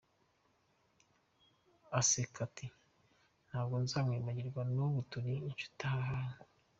Aseka ati ‘Ntabwo nzamwibagirwa n’ ubu turi inshuti hahahaha’.